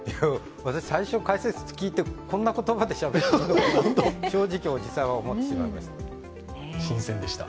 私、最初解説聞いてこんな言葉でしゃべっていいのかなって正直、おじさんは思ってしまいました。